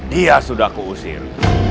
dia sudah keusir